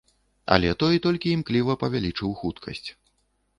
Але той толькі імкліва павялічыў хуткасць.